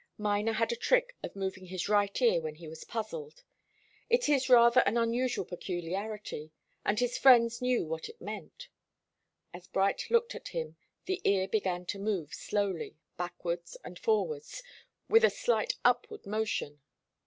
Miner had a trick of moving his right ear when he was puzzled. It is rather an unusual peculiarity, and his friends knew what it meant. As Bright looked at him the ear began to move slowly, backwards and forwards, with a slight upward motion.